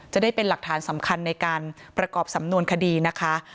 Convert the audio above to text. จะได้เป็นหลักฐานสำคัญในการประกอบสำนวนคดีนะคะ